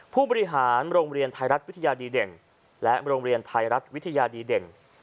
ผู้บริหารโรงเรียนไทยรัฐวิทยาดีเด่นและโรงเรียนไทยรัฐวิทยาดีเด่น